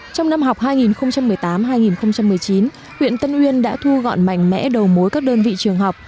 trong năm học hai nghìn một mươi tám hai nghìn một mươi chín huyện tân uyên đã thu gọn mạnh mẽ đầu mối các đơn vị trường học